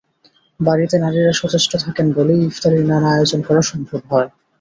বাড়িতে নারীরা সচেষ্ট থাকেন বলেই ইফতারির নানা আয়োজন করা সম্ভব হয়।